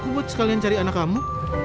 kuat sekalian cari anak kamu